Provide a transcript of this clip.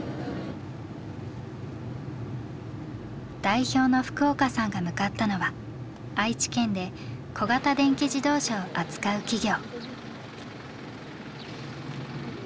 代表の福岡さんが向かったのは愛知県で小型電気自動車を扱う企業。